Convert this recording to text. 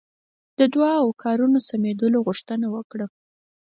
د دعا او کارونو سمېدلو غوښتنه وکړه.